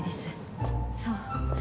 そう。